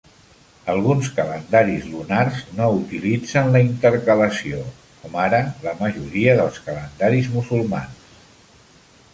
Alguns calendaris lunars no utilitzen la intercalació, com ara la majoria dels calendaris musulmans.